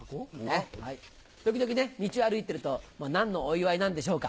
時々ね道を歩いてると何のお祝いなんでしょうか？